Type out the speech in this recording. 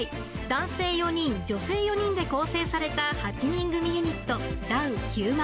男性４人、女性４人で構成された８人組ユニット、ダウ９００００。